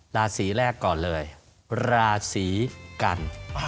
ราศีแรกก่อนเลยราศีกัน